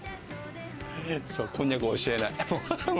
こんにゃく教えない。